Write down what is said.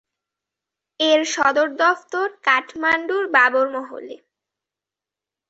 এর সদর দফতর কাঠমান্ডুর বাবরমহলে।